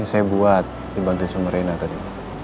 ini saya buat di bantus sumerina tadi